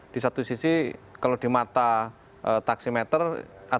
di satu sisi kalau di mata taksi meter aturan ini dianggap terlalu kompromis